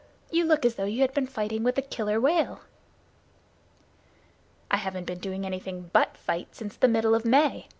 You look as though you had been fighting with the Killer Whale." "I haven't been doing anything but fight since the middle of May.